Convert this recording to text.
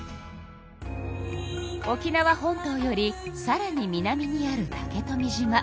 沖縄本島よりさらに南にある竹富島。